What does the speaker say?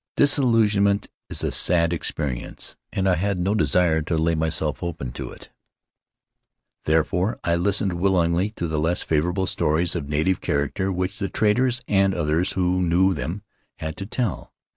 Disillusionment is a sad experi ence and I had no desire to lay myself open to it. Therefore I listened willingly to the less favorable stories of native character which the traders, and others who know them, had to tell.